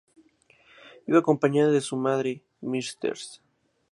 Iba acompañada de su madre: Mrs.